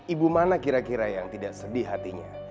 ibu mana kira kira yang tidak sedih hatinya